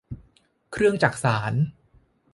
เครื่องจักสาน